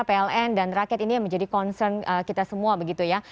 pln dan rakyat ini yang menjadi concern kita semua begitu ya